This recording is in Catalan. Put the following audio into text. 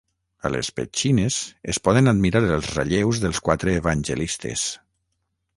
A les petxines es poden admirar els relleus dels quatre evangelistes.